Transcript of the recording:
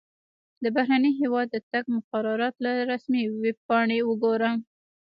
د بهرني هیواد د تګ مقررات له رسمي ویبپاڼې وګوره.